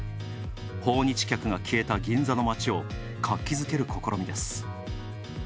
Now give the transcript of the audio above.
訪日客が消えた銀座を活気づける試みです。